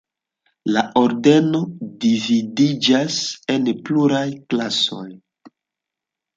La Ordeno dividiĝas en pluraj klasoj.